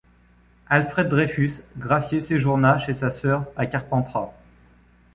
Alfred Dreyfus gracié séjourna chez sa sœur à Carpentras.